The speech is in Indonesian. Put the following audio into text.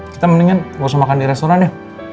kita mendingan gausah makan di restoran ya